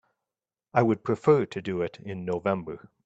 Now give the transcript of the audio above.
I would prefer to do it in November.